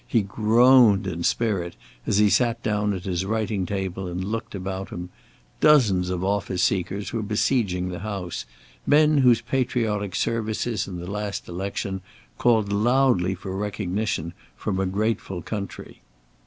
He groaned in spirit as he sat down at his writing table and looked about him. Dozens of office seekers were besieging the house; men whose patriotic services in the last election called loudly for recognition from a grateful country.